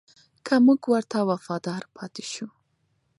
که موږ ورته وفادار پاتې شو.